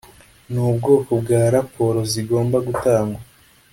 n ubwoko bwa raporo zigomba gutangwa